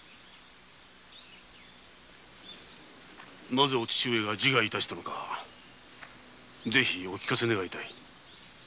なぜお父上が自害いたしたのかぜひお聞かせ願いたい。